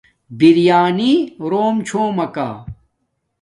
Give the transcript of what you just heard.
بِریݳنݵ رݸم چھݸمَکݳ.